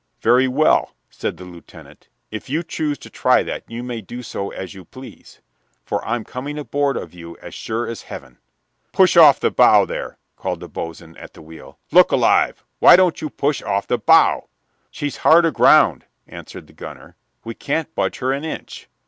"Very well," said the lieutenant, "if you choose to try that, you may do as you please; for I'm coming aboard of you as sure as heaven." "Push off the bow there!" called the boatswain at the wheel. "Look alive! Why don't you push off the bow?" "She's hard aground!" answered the gunner. "We can't budge her an inch."